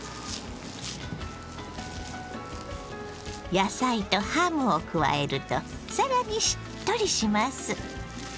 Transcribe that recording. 野菜とハムを加えると更にしっとりします。